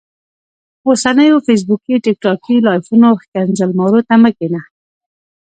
اوسنيو فيسبوکي ټیک ټاکي لايفونو ښکنځل مارو ته مه کينه